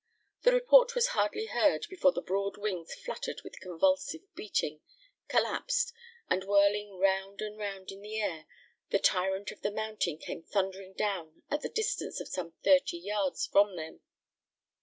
The report was hardly heard before the broad wings fluttered with convulsive beating, collapsed, and whirling round and round in the air, the tyrant of the mountain came thundering down at the distance of some thirty yards from them.